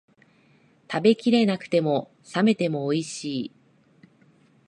食べきれなくても、冷めてもおいしい